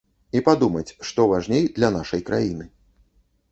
І падумаць, што важней для нашай краіны.